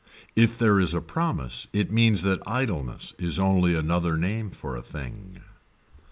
If there is a promise it means that idleness is only another name for a thing.